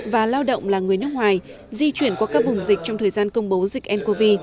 và lao động là người nước ngoài di chuyển qua các vùng dịch trong thời gian công bố dịch ncov